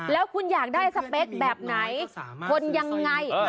แล้วคุณอยากได้สเปคแบบไหนคนยังไง